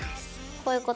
こういうこと？